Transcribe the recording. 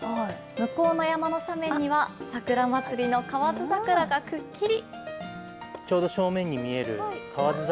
向こうの山の斜面には桜まつりの河津桜がくっきり。